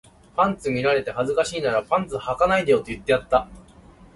パンツ見られて恥ずかしいならパンツ履かないでよって言ってやった